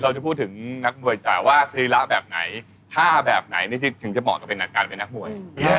คู่จะพูดถึงนักมวยแต่ว่าศีลาแบบไหนถ้าแบบไหนแท้เบอร์บ้างกันรักกันเป็นจะเนิ่ง